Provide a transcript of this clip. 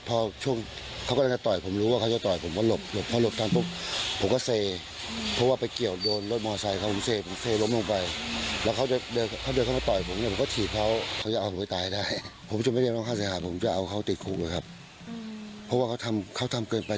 ผมจะเอาเขาติดคุกเลยครับเพราะว่าเขาทำเขาทำเกินไป